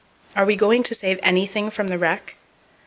Are we going to save anything from the wreck?